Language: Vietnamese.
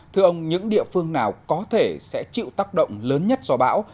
thưa ông những địa phương nào có thể sẽ chịu tác động lớn nhất do bão